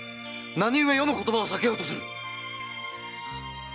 何故余の言葉を避けようとする⁉